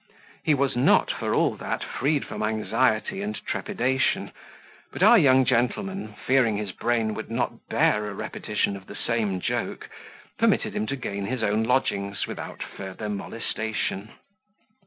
He was not, for all that, freed from anxiety and trepidation; but our young gentleman, fearing his brain would not bear a repetition of the same joke, permitted him to gain his own lodgings without further molestation.